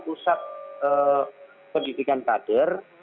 pusat pendidikan pader